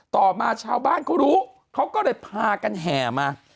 ต่อมาชาวบ้านเขารู้เขาก็เลยพากันแห่มา